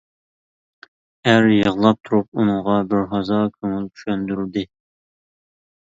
ئەر يىغلاپ تۇرۇپ ئۇنىڭغا بىر ھازا كۆڭۈل چۈشەندۈردى.